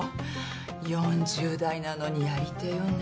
４０代なのにやり手よね。